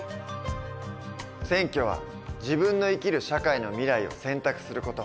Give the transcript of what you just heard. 選挙は自分の生きる社会の未来を選択する事。